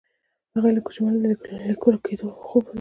هغه له کوچنیوالي د لیکوال کیدو خوب لیده.